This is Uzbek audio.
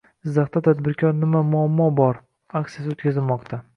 Jizzaxda “Tadbirkor, nima muammo bor?” aksiyasi o‘tkazilmoqda